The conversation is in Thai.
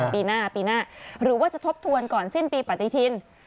ปีหน้าปีหน้าหรือว่าจะทบทวนก่อนสิ้นปีปฏิทิน